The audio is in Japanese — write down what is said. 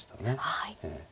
はい。